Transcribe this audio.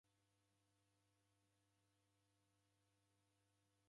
Ndew'ikanye kichuku chingi.